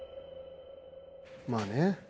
まあね。